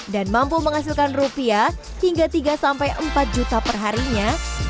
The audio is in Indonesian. dan mampu menghasilkan rupiah hingga tiga sampai empat juta perharinya